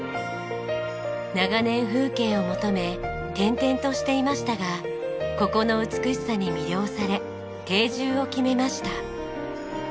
長年風景を求め転々としていましたがここの美しさに魅了され定住を決めました。